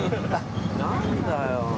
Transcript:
何だよ。